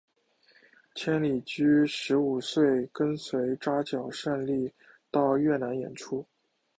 千里驹十五岁跟随扎脚胜到越南演出。